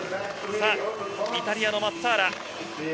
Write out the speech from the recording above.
イタリアのマッザーラ。